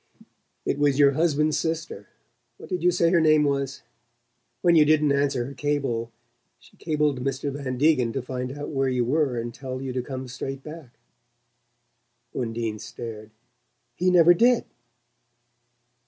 "It was your husband's sister what did you say her name was? When you didn't answer her cable, she cabled Mr. Van Degen to find out where you were and tell you to come straight back." Undine stared. "He never did!"